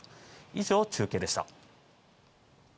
以上、中継でした。